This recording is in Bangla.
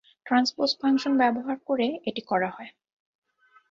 ট্রান্সপোস ফাংশন ব্যবহার করে এটি করা হয়।